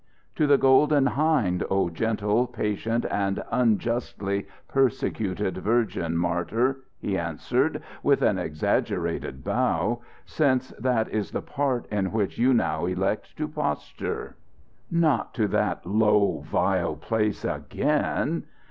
"To the Golden Hind, O gentle, patient and unjustly persecuted virgin martyr!" he answered, with an exaggerated how "since that is the part in which you now elect to posture." "Not to that low, vile place again!"